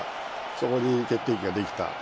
そこに決定機ができた。